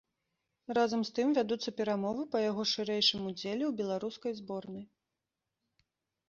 Разам з тым вядуцца перамовы па яго шырэйшым удзеле ў беларускай зборнай.